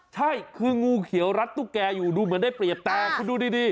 ใช่คืองูเขียวรัดตุ๊กแกอยู่ดูเหมือนได้เปรียบแต่คุณดูดี